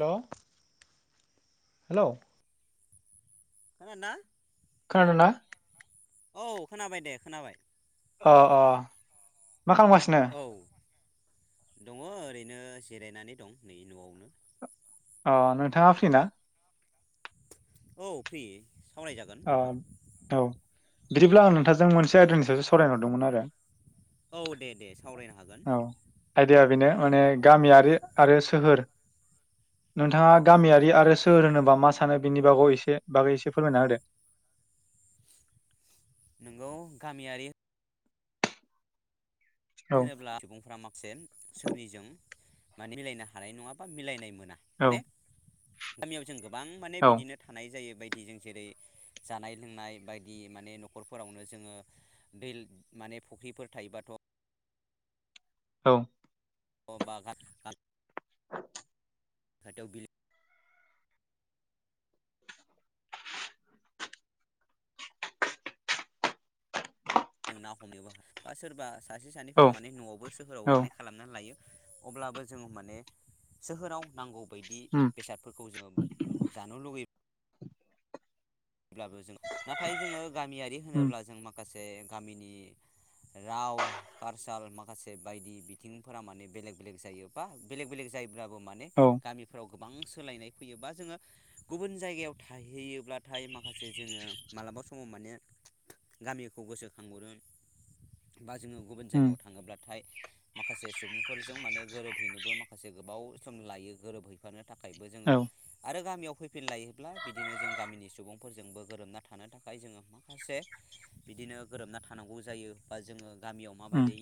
हेल' hello. खोनादो ना? खोनादोंना? औ खोनाबाय दे खोनाबाय अ अ मा खालामगासिनो औ दङ ओरैनो जिरायनानै दं नै न'आवनो अ नोंथाङा फ्रिना? औ फ्रि सावराय जागोन अ नोंथां। औ बिदिब्ला आं नोंथांजों मोनसे आयदानि सायावसो सावरायनो हरदोंमोन आरो। औ दे दे सावरायनो हागो औ आयदाया बेनो माने गामियारि आरो सोहोर नोंथाङा गामियारि आरो सोहोर होनोबा मा सानो बिनि बागाव एसे बागै एसे फोरमायना होदो? नोंगौ गामियारि औ होनोब्ला सुबुंफ्रा माखासे सोहोरनिजों माने मिलायनो हानाय नङा बा मिलायनाय मोना। औ माने गामियाव जों गोबां माने औ बिदिनो थानाय जायो बायदि जों जेरै जानाय लोंनाय बायदि माने न'खरफोरावनो जोङो [unintelligible] माने फुख्रिफोर थायोबाथ' औ। अ बागान [unintelligible] [unintelligible] बिल जों ना हमनोबो हा बा सोरबा सासे औ सानैफोरा माने न'आवबो सोहोरावबो औ माने खालामनानै लायो अब्लाबो जों माने सोहोराव नांगौ बैदि उम बेसादफोरखौ जोङो जानो लुबैयो ब्लाबो जों नाथाय जोङो गामियारि उम होनोब्ला जों माखासे गामिनि राव कारचाल माखासे बायदि बिथिंफोरा माने बेलेग बेलेग जायो बा बेलेग बेलेग जायो ल्बाबो माने औ गामिफ्राव गोबां सोलायनाय फैयो बा जोङो गुबुन जायगायाव थाहैयोब्ला थाय माखासे जोङो मालाबा समाव माने गामिखौ गोसोखांहरो बा जोङो गुबुन उम जायगायाव थाङोब्लाथाय माखासे सुबुंफोरजों माने गोरोबहैनोबो माखासे गोबाव सम लायो गोरोबहै फानो थाखायबो जोङो औ आरो गामियाव फैफिन लायोब्ला बिदिनो जों गामिनि सु सुबुंफोरजोंबो गोरोबना थानो थाखाय जोङो माखासे बिदिनो गोरोबना थानांगौ जायो बा जोङो गामियाव उम माबायदै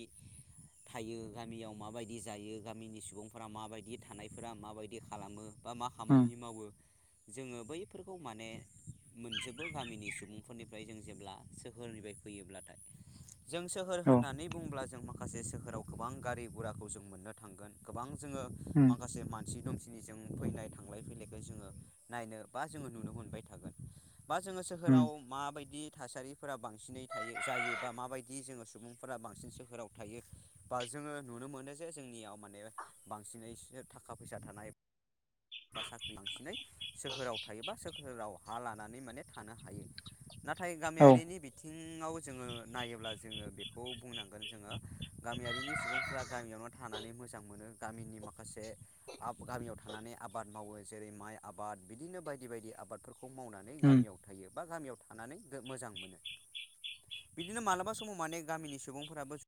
थायो गामियाव माबायदि जायो गामिनि सुबुंफोरा माबायदि थानायफोरा माबायदि खालामो बा मा उम खामानि मावो जोङो बैफोरखौ माने मोनजोबो गामिनि सुबुंफोरनिफ्राय जों जेब्ला सोहोरनिफ्राय फैयोब्लाथाय ‌। जों सोहोर औ होननानै बुंब्ला जों मा माखासे सोहोराव गोबां गारि गुराखौ जों मोननो थांगोन गोबां जोङो उम माखासे मानसि दुमसि दि जों फैनाय थांलाय फैलायखौ जोङो नायनो बा जोङो नुनो मोनबाय थागोन बा जोङो उम सोहोराव माबायदि थासारिफोरा बांसिनै थायो जायोबा माबायदि जोङो सुबुंफोरा बांसिन सोहोराव थायो बा जोङो नुनो मोनो जे जोंनियाव माने बांसिनै थाखा फैसा थानाय बा साख्रि बांसिनै सोहोराव थायोबा सोहोराव हा लानानै माने थानो हायो। नाथाय औ गामियारिनि बि बिथिङाव जोङो नायोब्ला जोङो बेखौ बुंनांगोन जोङो गामियारिनि सुबुंफ्रा गामियावनो था थानानै मोजां मोनो गामिनि माखासे आब-गामियाव थानानै आबाद मावो जेरै माइ आबाद बिदिनो बायदि बायदि आबादफोरखौ मावनानै उम गामियाव थायो बा गामियाव थानानै जो मोजां मोनो। बिदिनो मालाबा समाव माने गामिनि सुबुंफोराबो जो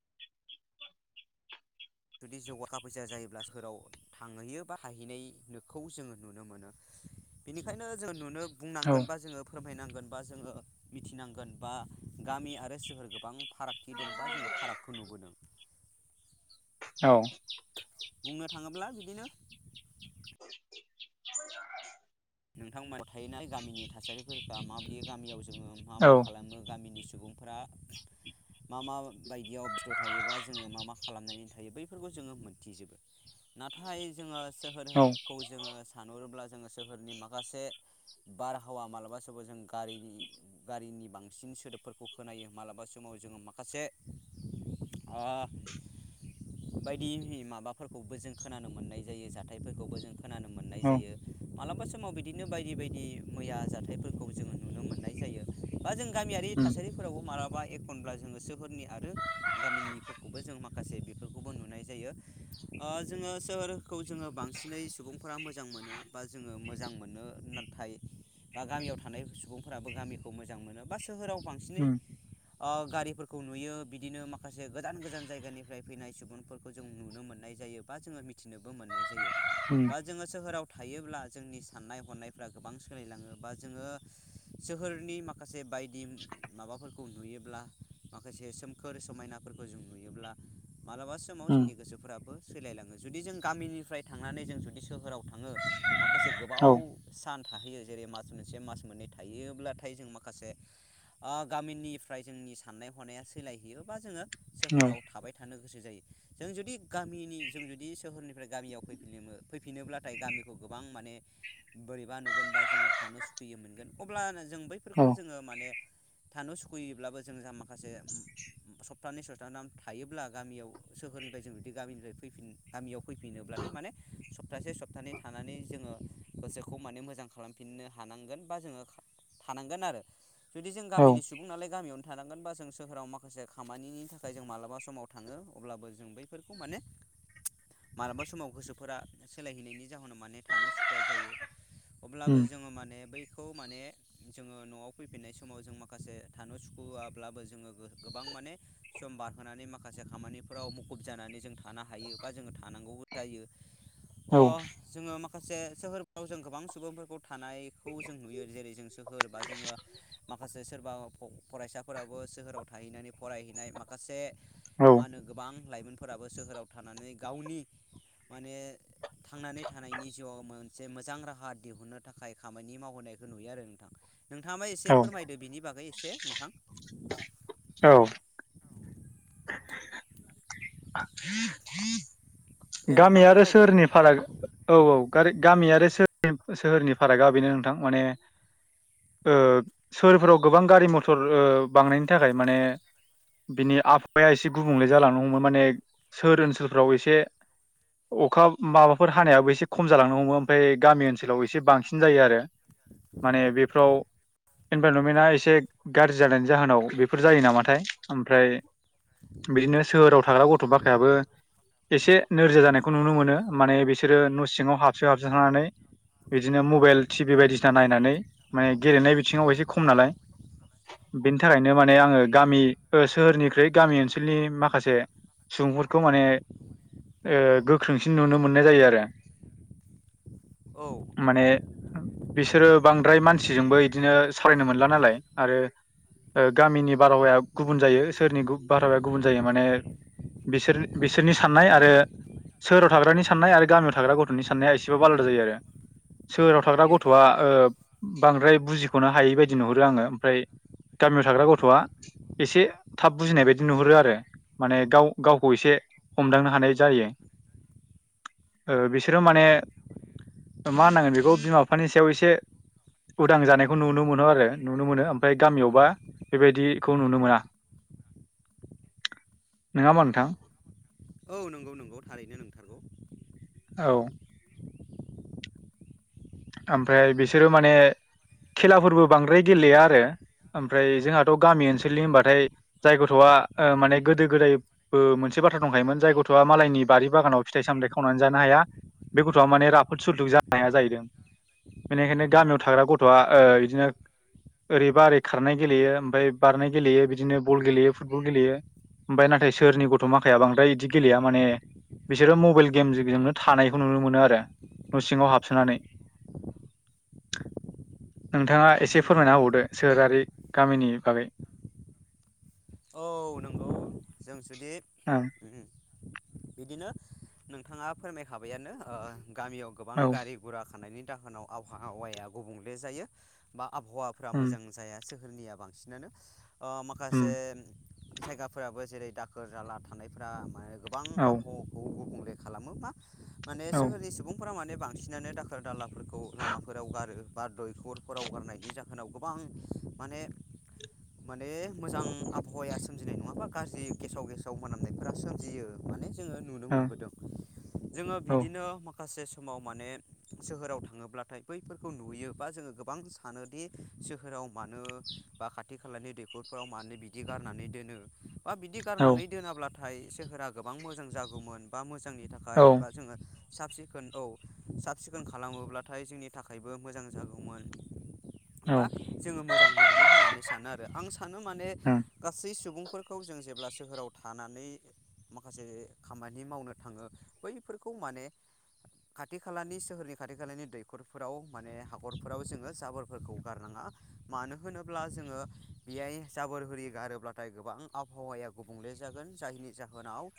जुदि जौ आ थाखा फैसा जायोब्ला सोहोराव थांहैयो बा हाहैनायखौ जोङो नुनो मोनो। बेनिखायनो जों नुनो औ बुंनांगोन बा जोङो फोरमायनांगोन बा जोङो मिथिनांगोन बा गामि आरो सोहोर गोबां फारागथि दं'बा जोङो फारागखौ नुबोदों। औ बुंनो थाङोब्ला बिदिनो नोंथांमोनाव थाहैनाय गामिनि थासारिफोरा माबादि गामियाव जोङो मा औ मा खालामो गामिनि सुबुं फोरा मा मा बायदियाव बिस्थ' थायोबा जोङो मा मा खालामनानै थायो बैफोरखौ जोङो मोनथिजोबो। नाथाय जोङो औ सोहोरखौ जोङो सानहरोब्ला जोङो सोहोरनि माखासे बारहावा मालाबासोबो जों गारिनि गारिनि बांसिन सोदोबफोरखौ खोनायो। मालाबा समाव जोङो माखासे ओ बायदि माबाफोरखौबो जों खोनानो मोननाय जायो जाथायफोरखौबो जों खोनानो मोननाय उम जायो। मालाबा समाव बिदिनो बायदि बायदि मैया जाथायफोरखौ जोङो नुनो मोननाय जायो। बा जों गामियारि उम थासारिफोरावबो मालाबा एकखनब्ला जोङो सोहोरनि आरो गामिनि खौबो जों माखासे बेफोरखौबो नुनाय जायो। ओ जोङो सोहोरखौ जोङो बांसिनै सुबुंफोरा मोजां मोनो बा जोङो मोजां मोनो। नाथाय बा गामियाव थानाय सुबुंफोराबो गामिखौ मोजां मोनो बा सोहोराव बांसिनै ओ गारिफोरखौ नुयो बिदिनो माखासे गोजान गोजान जायगानिफ्राय फैनाय सुबुंफोरखौ जों नुनो मोननाय जायो। बा जोङो मिथिनोबो मोननाय जायो उम बा जोङो सोहोराव थायोब्ला जोंनि साननाय हनायफ्रा गोबां सोलिलाङो बा जोङो सोहोरनि माखासे बायदि माबाफोरखौ नुयोब्ला माखासे सोमखोर समायनाफोरखौ जों नुयोब्ला मालाबा समाव उम जोंनि गोसोफोराबो सैलायलाङो। जुदि जों गामिनिफ्राय थांनानै जों जुदि सोहोराव थाङो। माखासे औ गोबाव सान थाहैयो। जेरै मास मोनसे मास मोननै थायोब्लाथाय जों माखासे ओ गामिनिफ्राय जोंनि साननाय हनाया सोलायहैयोबा जोङो औ सोहोराव थाबाय थानो गोसो जायो। जों जुदि गामिनि जों जुदि सोहोरनिफ्राय गामियाव फैफिनोमो-फैफिनोब्लाथाय गामिखौ गोबां माने बोरैबा नुगोनबा जोङो थानो सुखुयि मोनगोन अब्लानो जों बैफोरखौ औ जोङो माने थानो सुखुयैब्लाबो जों जा माखासे सप्ताहनि सप्ताहाम थायोब्ला गामियाव सोहोरनिफ्राय जों जुदि गामिनिफ्राय फिन गामियाव फैफिनोब्लाथाय माने सप्तासे सप्तानै थानानै जोङो गोसोखौ माने मोजां खालामफिननो हानांगोन बा जोङो थानांगोन आरो जुदि जों औ गामिनि सुबुं नालाय गामियावनो थानांगोनबा जों सोहोराव माखासे खामानिनि थाखाय जों मालाबा समाव थाङो अब्लाबो जों बैफोरखौ माने [inaudible] मालाबा समाव गोसोफोरा सोलायहैनायनि जाहोनाव माने थानो सुखुया जायो। अब्लाबो उम जोङो माने बैखौ माने जोङो न'आव फैफिननाय समाव जों माखासे थानो सुखुवब्लाबो जोङो गोबां माने सम बारहोनानै माखासे खामानिफोराव मुखुब जानानै जों थानो हायो बा जोङो थानांगौ जायो। औ अ जोङो माखासे सोहोरफ्राव जों गोबां सुबुंफोरखौ थानायखौ जों नुयो जेरै जों सोहोर बा जोङो माखासे सोरबा फरायसाफोराबो सोहोराव थाहैनानै फरायहैनाय माखासे औ मा होनो गोबां लाइमोनफोराबो सोहोराव थानानै गावनि माने थांनानै थानायनि जिउआव मोनसे मोजां राहा दिहुननो थाखाय खामानि मावहोनायखौ नुयो आरो नोंथां। नोंथाङाबा एसे औ फोरमायदो बिनि बागै एसे नोंथां औ दे गामि नोंथां आरो फोरमायदो सोहोरनि फाराग औ औ गारि-गामि आरो सोहोरनि फारागा बेनो नोंथां माने ओ सोहोरफोराव गोबां गारि मथर बांनायनि थाखाय माने बिनि आबहावाया एसे गुबुंले जालांनो हमो माने सोर ओनसोलफ्राव एसे अखा माबाफोर हानायाबो एसे खम जालांनो हमो ओमफ्राय गामि ओनसोलाव एसे बांसिन जायो आरो। [inaudible] माने बेफ्राव इनभाइरनमेन्टआ एसे गाज्रि जानायनि जाहोनाव बेफोर जायो नामाथाय ओमफ्राय बिदिनो सोहोराव थाग्रा गथ' बाखायाबो एसे नोरजि जानायखौ नुनो मोनो माने बिसोरो न' सिङाव हाबसं हाबसन थानानै बिदिनो मबाइल टिभि बायदिसिना नायनानै माने गेलेनाय बिथिङाव एसे खम नालाय बेनि थाखायनो माने आङो गामि सोहोरनिख्रुइ गामि ओनसोलनि माखासे सुबुंफोरखौ माने ओ गोख्रोंसिन नुनो मोननाय जायो आरो। औ माने बिसोरो बांद्राय मानसिजोंबो इदिनो सावरायनो मोनला नालाय आरो गामिनि बारहावाया गुबुन जायो सोरनि बारहावाया गुबुन जायो माने बिसोर बिसोरनि साननाय आ रो सोहोराव थाग्रानि साननाय आरो गामियाव थाग्रा गथ'नि साननाया एसेबाबो आलादा जायो आरो। सोहोराव थाग्रा नंगौ गथ'आ ओ बांद्राय बुजिख'नो हायै बायदि नुहरो आङो ओमफ्राय गामियाव थाग्रा गथ'आ एसे थाब बुजिनाय बायदि नुहरो आरो माने गाव गावखौ एसे हमदांनो हानाय जायो बिसोरो माने मा होनांगोन बेखौ बिमा बिफानि सायाव एसे उदां जानायखौ नुनो मोनो आरो नुनो मोनो ओमफ्राय गामियावबा बेबायदिखौ नुनो मोना। नङा होमा नोंथां? औ नंगौ नंगौ थारैनो नंथारगौ। औ ओमफ्राय बिसोरो माने खेलाफोरबो बांद्राय गेलेया आरो। ओमफ्राय जोंहाथ' गामि ओनसोलनि होनबाथाय जाय गथ'आ ओ माने गोदो गोदाय बो मोनसे बाथ्रा दंखायोमोन जाय गथ'आ मालायनि बारि बागानाव फिथाइ सामथाय खावनानै जानो हाया बे गथ'आ माने राफोद सुलथुग जानाया जाहैदों। बेनिखायनो गामियाव थाग्रा गथ'आ ओ बिदिनो ओरैबा ओरै खारनाय गेलेयो ओमफ्राय बारनाय गेलेयो बिदिनो बल गेलेयो फुटबल गेलेयो। ओमफफ्राय नाथाय सोहोरनि गथ' माखाया बांद्राय बिदि गेलेया माने बिसोरो मबाइल गेमजोंनो थानायखौ नुनो मोनो आरो न' सिङाव हाबसोनानै। नोंथाङा एसे नंगौ फोरमायना नंगौ हबावदो सोहोरारि गामिनि बागै। औ नंगौ जों जुदि ओं बिदिनो नोंथाङा फोरमायखाबाययानो गामियाव गोबां औ गारि गुरा खानायनायनि जाहोनाव आबहावाया गुबुंले जायो बा आबहावाफोरा उम मोजां जाया। सोहोरनिया बांसिनानो ओ माखासे उम जायगाफोराबो जेरै दाखोर जाला थानायफोरा माने गोबां औ आब'ह गुब गुबुंले खालामो बा माने औ सोहोरनि सुबुं सुबुंफोरा माने बांसिनानो दाखोर दालाफोरखौ लामाफोराव गारो बा दैखरफोराव गारनायनि जाहोन होननाव गोबां माने माने मोजां आ हौवाया सोमजिनाय नङाबा गाज्रि गेसाव गेसाव मोनामनायफोरा सोमजियो माने जोङो नुनो मोनबोदों। [inaudible] जोङो औ बिदिनो माखासे समाव माने सोहोराव थाङोब्लाथाय बैफोरखौ नुयो बा जोङो गोबां सानोदि सोहोराव मानो बा खाथि खालानि दैखरफोराव मानो बि बिदि गारनानै दोनो बा बिदि औ गारनानै दोनाब्लाथाय सोहोरा गोबां मोजां जागौमोन। बा मोजांनि थाखाय बा जोङो साब सिखोन औ साब सिखोन खालामोब्लाथाय जोंनि थाखायबो मोजां जागौमोन औ बा जोङो मोजां नुगौमोन होननानै सानो आरो आं सानो माने उम सै सुबुंफोरखौ जों जेब्ला सोहोराव थानानै माखासे खामानि मावनो थाङो बैफोरखौ माने खाथि खालानि सोहोरनि खाथि खालानि दैखरफोराव माने हाखरफोराव जोङो जाबोरफोरखौ गारनाङा। मानो होनोब्ला जोङो बेयाय जाबोर होरि गारोब्लाथाय गोबां आबहावाया गुबुंले जागोन जायनि जाहोनाव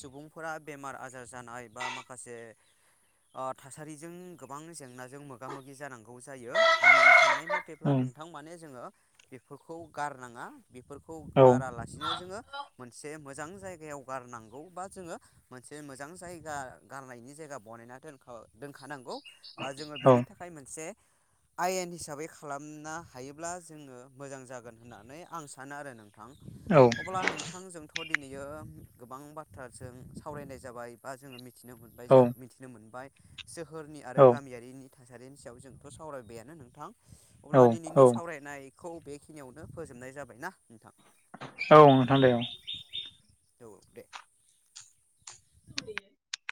सुबुंफोरा बेमार आजार जानाय बा माखासे ओ थासारिजों गोबां जेंनाजों मोगा मोगि जानांगौ जायो आंनि साननाय मथ थेब्ला उम नोंथां माने जोङो बेफोरखौ गारनाङा बेफोरखौ औ गारालासिनो जोङो मोनसे मोजां जायगायाव गारनांगौ बा जोङो मोनसे मोजां जायगा गारनायनि जायगा बनायना दोनख दोनखानांगौ। बा जोङो औ बेनि थाखाय मोनसे आयेन हिसाबै खालामना हायोब्ला जोङो मोजां जागोन होननानै आं सा सानो आरो नोंथां। औ। अब्ला नोंथां जोंथ' दिनैयो गोबां बाथ्रा जों सावरायनाय जाबाय बा जोङो मिथ थिनो मोनबाय जा मिथिनो मोनबाय सोहोरनि आरो गामियारिनि थासारिनि सायाव जोंथ' सावरायबायानो नोंथां अब्ला औ औ दिनैनि सावरायनाय खौ बेखिनियावनो फोजोबनाय जाबाय ना नोंथां। औ नोंथां दे औ। औ दे। [inaudible]